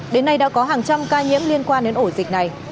đến nay đã có hàng trăm ca nhiễm liên quan đến ổ dịch này